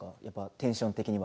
テンション的には。